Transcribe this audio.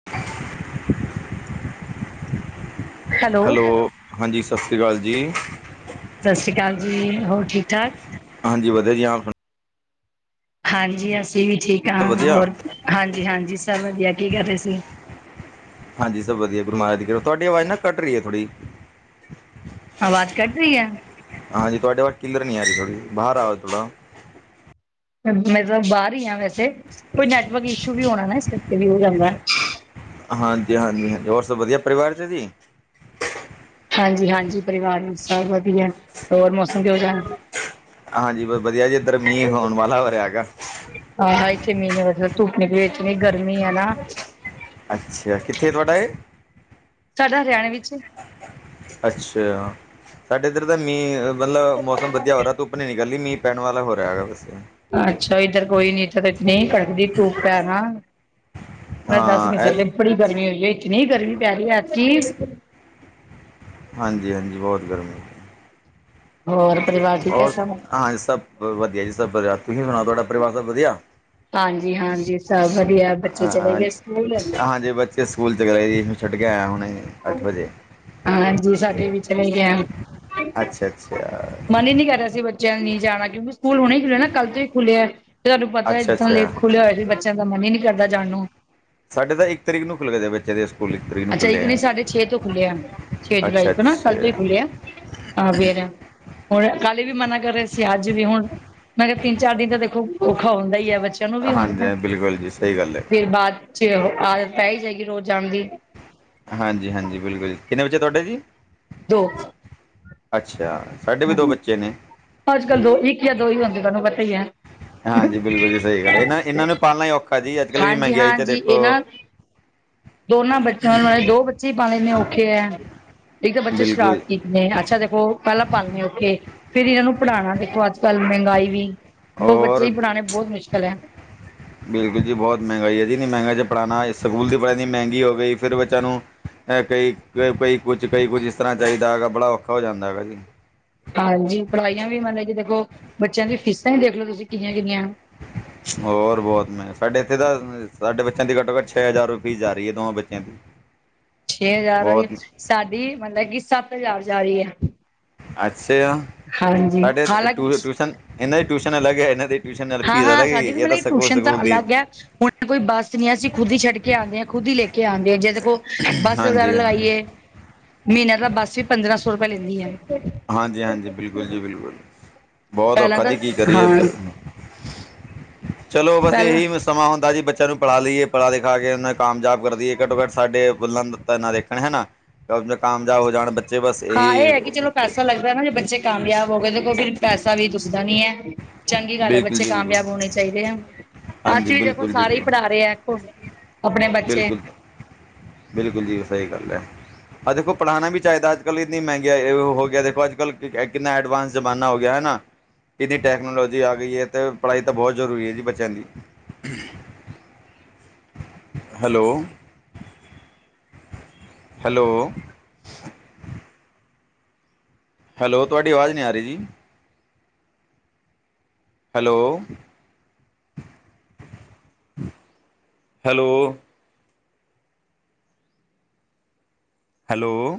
[unintelligible] Hello! ਹਾਂਜੀ, ਸਤਿ ਸ਼੍ਰੀ ਅਕਾਲ ਜੀ। ਸਤਿ ਸ਼੍ਰੀ ਅਕਾਲ ਜੀ, ਹੋਰ ਠੀਕ-ਠਾਕ। ਹਾਂਜੀ ਵਧੀਆ ਜੀ ਆਪ ਸੁ ਹਾਂਜੀ, ਅਸੀਂ ਵੀ ਠੀਕ ਆ। ਵਧੀਆ ਹੋਰ ਹਾਂਜੀ-ਹਾਂਜੀ ਸਭ ਵਧੀਆ, ਕੀ ਕਰ ਰਹੇ ਸੀ? ਹਾਂਜੀ, ਸਭ ਵਧੀਆ, ਗੁਰੂ ਮਹਾਰਾਜ ਦੀ ਕਿਰਪਾ, ਤੁਹਾਡੀ ਆਵਾਜ਼ ਨਾ ਕੱਟ ਰਹੀ ਏ ਥੋੜ੍ਹੀ। ਆਵਾਜ਼ ਕੱਟ ਰਹੀ ਐ। ਹਾਂਜੀ, ਤੁਹਾਡੇ ਵੱਲ ਕਿੱਲਰੀ ਆ, ਰਹੀ ਥੋੜੀ ਬਾਹਰ ਆ ਥੋੜਾ। ਮਤਲਬ ਬਾਹਰ ਹੀ ਆ ਵੈਸੇ, ਕੋਈ ਨੈਟਵਰਕ ਇਸ਼ੂ ਵੀ ਹੋਣਾ ਨਾ ਇਸ ਕਰਕੇ ਵੀ ਹੋ ਜਾਂਦਾ। ਹਾਂਜੀ-ਹਾਂਜੀ-ਹਾਂਜੀ, ਹੋਰ ਸਭ ਵਧੀਆ ਪਰਿਵਾਰ ਚ ਜੀ। ਹਾਂਜੀ-ਹਾਂਜੀ, ਪਰਿਵਾਰ ਵਿੱਚ ਸਭ ਵਧੀਆ, ਹੋਰ ਮੌਸਮ ਕਿਹੋ ਜਿਹਾ। ਹਾਂਜੀ, ਬਸ ਵਧੀਆ ਜੀ ਇੱਧਰ ਮੀਂਹ ਹੋਣ ਵਾਲਾ ਹੋ ਰਿਰਹਾ ਹੈਗਾ। ਆਏ ਹਾਏ ਇਥੇ ਮੀਂਹ ਨੀ, ਮਤਲਬ ਧੁੱਪ ਇਨੀ ਇਤਨੀ ਗਰਮੀ ਐ ਨਾ। ਅੱਛਾ ਕਿੱਥੇ ਤੁਹਾਡਾ ਇਹ ਸਾਡਾ ਹਰਿਆਣੇ ਵਿੱਚ ਅੱਛਾ ਸਾਡੇ ਇੱਧਰ ਤਾਂ ਮੀਂਹ ਮਤਲਬ ਮੌਸਮ ਵਧੀਆ ਹੋ ਰਿਹਾ ਧੁੱਪ ਨੀ ਨਿਕਲਦੀ ਮੀਂਹ ਪੈਣ ਵਾਲਾ ਹੋ ਰਿਹਾ ਹੈਗਾ ਬਸ ਅੱਛਾ ਇੱਧਰ ਕੋਈ ਨੀ ਇੱਧਰ ਇਤਨੀ ਕੜਕਦੀ ਧੂਪ ਹੈ ਨਾ। ਮੈਂ ਦੱਸ ਹਾਂ ਨੀ ਇਹ ਸਕਦੀ ਬੜੀ ਗਰਮੀ ਹੋਈ ਹੈ ਇਤਨੀ ਗਰਮੀ ਪੈ ਰਹੀ ਐਤਕੀ ਹਾਂਜੀ -ਹਾਂਜੀ ਬਹੁਤ ਗਰਮੀ ਹੋਰ ਪਰਿਵਾਰ ਠੀਕ ਹੈ ਹੋਰ ਸਭ? ਹਾਂਜੀ ਸਭ ਵਧੀਆ ਜੀ ਸਭ ਵਧੀਆ ਤੁਸੀਂ ਸੁਣਾਓ ਤੁਹਾਡਾ ਪਰਿਵਾਰ ਸਭ ਵਧੀਆ ਹਾਂਜੀ- ਹਾਂਜੀ ਸਭ ਵਧੀਆ ਬੱਚੇ ਚਲੇ ਗਏ ਸਕੂਲ ਤੇੇ ਸਕੂਲ ਚਲੇ ਗਏ ਜੀ ਹੁਣ ਛੱਡ ਕੇ ਆਇਆ ਹੁਣੇ ਅੱਠ ਵਜੇ ਹਾਂਜੀ ਸਾਡੇ ਵੀ ਚਲੇ ਗਿਆ ਅੱਛਾ ਅੱਛਾ ਮਨ ਹੀ ਨੀ ਕਰ ਰਿਹਾ ਸੀ ਬ ਬ ਨਹੀਂ ਜਾਣਾ ਕਿਉਂਕਿ ਸਕੂਲ ਹੁਣੇ ਹੀ ਖੁੱਲਿਆ ਨਾ ਕੱਲ ਤੋਂ ਹੀ ਖੁੱਲ੍ਹਿਆ ਤੇ ਤੁਹਾਨੂੰ ਪਤਾ ਅੱਛਾ ਇੱਦਾਂ ਅੱਛਾ ਲੇਟ ਖੁੱਲ੍ਹਿਆ ਹੋਇਆ ਸੀ ਬੱਚੇ ਬੱਚਿਆਂ ਦਾ ਮਨ ਹੀ ਨੀ ਕਰਦਾ ਜਾਣ ਨੂੰ ਸਾਡੇ ਤਾਂ ਇੱਕ ਤਰੀਕ ਨੂੰ ਖੁੱਲ ਗਏ ਬੱਚਿਆਂ ਦੇ ਸਕੂ ਅੱਛਾ ਇਕ ਨਹੀਂ ਸਾਡੇ ਛੇ ਤੋਂ ਖੁੱਲ੍ਹਿਆ ਛੇ ਜੁਲਾਈ ਅੱਛਾ ਤੋਂ ਨਾ ਕੱਲ ਤੋਂ ਹੀ ਅੱਛਾ ਖੁੱਲਿਆ। [unintelligible] ਹੁਣ ਕੱਲ ਵੀ ਮਨਾ ਕਰ ਰਹਾ ਸੀ ਅੱਜ ਵੀ ਹੁਣ ਮੈਂ ਕਿਹਾ ਤਿੰਨ ਚਾਰ ਦਿਨ ਤਾਂ ਦੇਖੋ ਔਖਾ ਹੁੰਦਾ ਹੀ ਹੈ ਬ ਬੱਚਿਆ ਨੂੰ ਵੀ ਹੁਣ ਦੇਰ ਹਾਂਜੀ ਬਿਲਕੁਲ ਜੀ ਸਹੀ ਗੱਲ ਹੈ ਫਿਰ ਬਾਅਦ 'ਚ ਆਦਤ ਪੈ ਹੀ ਜਾਏਗੀ ਰੋਜ਼ ਜਾਣ ਦੀ। ਹਾਂਜੀ -ਹਾਂਜੀ ਬਿਲਕੁਲ ਕਿੰਨੇ ਬੱਚੇ ਤੁਹਾਡੇ ਜੀ। ਦੋ ਅੱਛਾ ਸਾਡੇ ਵੀ ਹਾਂਜੀ ਦੋ ਬੱਚੇ ਨੇ। ਅੱਜ ਕੱਲ੍ਹ ਦੋ ਇੱਕ ਜਾਂ ਦੋ ਹੀ ਹੁੰਦੇ ਤੁਹਾਨੂੰ ਪਤਾ ਹੀ ਹੈ। ਹਾਂਜੀ ਬਿਲਕੁਲ ਜੀ ਸਹੀ ਗੱਲ ਇਹਨਾਂ ਇਹਨਾਂ ਨੂੰ ਪਾਲਣਾ ਹੀ ਔਖਾ ਜੀ ਅੱਜ ਕੱਲ ਵੀ ਹਾਂਜੀ ਮਹਿੰਗਾਈ ਤੇ ਹਾਂਜੀ ਦੇਖੋ। ਇਹ ਨਾ ਦੋਨਾਂ ਬੱਚਿਆਂ ਨਾਲ ਦੋ ਬੱਚੇ ਹੀ ਪਾਲਨੇ ਲੈਂਦੇੇ ਔਖੇ ਹੈ ਇੱਕ ਤਾਂ ਬੱਚੇ ਬਿਲਕੁਲ ਸ਼ਰਾਰਤੀ ਨੇ ਅੱਛਾ ਦੇਖੋ ਪਹਿਲਾਂ ਪਾਨੇ ਓਥੇ ਫੇਰ ਇਹਨਾਂ ਨੂੰ ਪੜ੍ਹਾਉਣਾ ਦੇਖੋ ਅੱਜ ਕੱਲ ਮਹਿੰਗਾਈ ਵੀ ਦੋ ਬੱਚੇ ਹੀ ਔਰ ਪੜ੍ਹਾਂਣੇ ਬਹੁਤ ਮੁਸ਼ਕਿਲ ਹੈ। ਬਿਲਕੁਲ ਜੀ ਬਹੁਤ ਮਹਿੰਗਾਈ ਹੈ ਜੀ ਨੀ ਮਹਿੰਗਾਈ ਪੜ੍ਹਉਣਾ ਸਕੂਲ ਦੀ ਪੜ੍ਹਾਈ ਮਹਿੰਗੀ ਹੋ ਗਈ ਫਿਰ ਬੱਚਿਆਂ ਨੂੰ ਕਈ ਕ ਕਈ ਕੁਛ ਕਈ ਕੁਝ ਇਸ ਤਰ੍ਹਾਂ ਚਾਹੀਦਾ ਹੈਗਾ ਬੜਾ ਔਖਾ ਹੋ ਜਾਂਦਾ ਹੈਗਾ ਜੀ। ਹਾਂਜੀ ਪੜ੍ਹਾਈਆਂ ਵੀ ਮਤਲਬ ਜ ਦੇਖੋ ਬੱਚਿਆਂ ਦੀਆਂ ਫੀਸਾਂ ਵੀ ਦੇਖ ਲੋ ਤੁਸੀਂ ਕਿੰਨੀਆਂ- ਕਿੰਨੀਆਂ ਹੋਰ ਬਹੁਤ ਮੈਂ ਸਾਡੇ ਇੱਥੇ ਤਾਂ ਸਾਡੇ ਬੱਚਿਆਂ ਦੀ ਘੱਟੋ ਘੱ ਛੇ ਹਜ਼ਾਰ ਰੁਪਏ ਫੀਸ ਜਾ ਰਹੀ ਹੈ ਦੋਵਾਂ ਬੱਚਿਆਂ ਦੀ ਛੇ ਹਜ਼ਾਰ ਬਹੁਤ ਵਾਲੀ ਸਾਡੀ ਮਤਲਬ ਕਿ ਸੱਤ ਹਜ਼ਾਰ ਜਾ ਰਹੀ ਹੈ। ਅੱਛਾ ਆ ਹਾਂਜੀ ਸਾਡੇ ਟ ਹਾਲਾਂਕਿ ਟਿਊਸ਼ਨ ਇਹਨਾਂ ਦੀ ਟਿਊਸ਼ਨ ਅਲੱਗ ਹੈ ਇਹਨਾਂ ਦੀ ਟਿਊਸ਼ਨ ਨਾਲ ਹਾਂ ਫੀਸ -ਹਾਂ ਅਲੱਗ ਸਾਡੀ ਵੀ ਹੈਗੀ ਇਹ ਤਾਂ ਮਤਲਬ ਸਕੂਲ ਟਿਊਸ਼ਨ ਤਾਂ ਸਕੂਲ ਦੀ ਅਲੱਗ ਹੈ ਹੁਣ ਕੋਈ ਬੱਸ ਨ ਨਹੀਂ ਅਸੀਂ ਖੁਦ ਛੱਡ ਕੇ ਆਂਦੇ ਹਾਂ ਖੁਦ ਲੈ ਕੇ ਕੇ ਆਂਦੇ ਆ ਜੇ ਦੇਖੋ ਬੱਸ ਵਗੈਰਾ ਹਾਂਜੀ ਹਾਂਜੀ ਲਗਾਈਏ। ਮਹੀਨੇ ਦਾ ਬੱਸ ਵੀ ਪੰਦਰਾਂ ਸੌ ਰੁਪਏ ਲੈਂਦੀ ਆ। ਹਾਂਜੀ -ਹਾਂਜੀ ਬਿਲਕੁਲ ਜੀ ਬਿਲਕੁਲ ਬਹੁਤ ਪਹਿਲਾਂ ਔਖਾ ਤਾਂ ਜੀ ਕੀ ਕਰੀਏ। ਹਾਂ ਚਲੋ ਬਸ ਪਹਿਲਾਂ ਇਹੀ ਸਮਾਂ ਹੁੰਦਾ ਜੀ ਬੱਚਿਆਂ ਨੂੰ ਪੜ੍ਹਾ ਲਈਏ ਪੜ੍ਹਾ ਲਿਖਾ ਕੇ ਉਹ ਨੇ ਕਾਮਯਾਬ ਕਰਦੀ ਹੈ ਘੱਟੋ ਘੱਟ ਸਾਡੇ ਦਾ ਤਾਂ ਨਾ ਦੇਖਣ ਹਨਾ ਕਾਮਯਾਬ ਹੋ ਜਾਣ ਬ ਜੇ ਬਸ ਇਹੀ ਪਤਾ ਲੱਗਦਾ ਨਾ ਜੇ ਬੱਚੇ ਕਾਮਯਾਬ ਹੋ ਗਏ ਦੇਖੋ ਫੇਰ ਪੈਸਾ ਵੀ ਦਿਸਦਾ ਨੀ ਹੈ। ਚੰਗੀ ਗੱਲ ਹੈ ਬਿਲਕੁਲ ਬੱਚੇ ਜੀ ਬਿਲਕੁਲ ਕਾਮਯਾਬ ਹੋਣੇ ਚਾਹੀਦੇ ਆ। ਅੱਜ ਹਾਂਜੀ ਵੀ ਦੇਖੋ ਬਿਲਕੁਲ ਜੀ ਸਾਰੇ ਹੀ ਬਿਲਕੁਲ ਪੜ੍ਹਾ ਰਹੇ ਆਖੋ ਆਪਣੇ ਬੱਚੇ ਬਿਲਕੁਲ ਬਿਲਕੁਲ ਜੀ ਉਹ ਸਹੀ ਗੱਲ ਹੈ। ਆ ਦੇਖੋ ਪੜ੍ਹਾਉਣਾ ਵੀ ਚਾਹੀਦਾ ਅੱਜ ਕੱਲ੍ਹ ਇੰਨੀ ਮਹਿੰਗ ਹੋ ਗਿਆ ਦੇਖੋ ਅੱਜ ਕੱਲ੍ਹ ਕਿੰਨਾ ਐਡਵਾਂਸ ਜ਼ਮਾਨਾ ਹੋ ਗਿਆ ਹੈ ਨਾ ਇਹਦੀ ਟੈਕਨੋਲੋਜੀ ਜੀ ਆ ਗਈ ਹੈ ਤੇ ਪੜ੍ਹਾਈ ਤਾਂ ਬਹੁਤ ਜ਼ਰੂਰੀ ਹੈ ਜੀ ਬੱਚਿਆਂ ਲਈ ਹੈਲੋ ਹੈਲੋ ਹੈਲੋ। ਤੁਹਾਡੀ ਆਵਾਜ਼ ਨਹੀਂ ਆ ਰਹੀ ਜੀ। ਹੈਲੋ। ਹੈਲੋ। ਹੈਲੋ।